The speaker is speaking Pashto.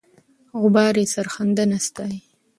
غبار یې سرښندنه ستایي.